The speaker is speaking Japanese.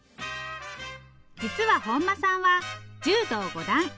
実は本間さんは柔道五段。